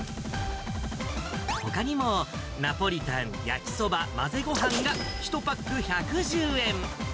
ほかにも、ナポリタン、焼きそば、まぜごはんが１パック１１０円。